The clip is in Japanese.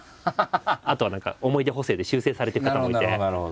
あとは何か思い出補正で修正されていく方もいて。